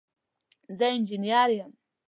زه انجنیر یم